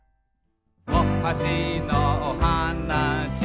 「おはしのおはなし」